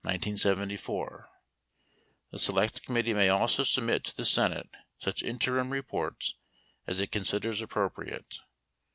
The 14 select committee may also submit to the Senate such interim 15 reports as it considers appropriate.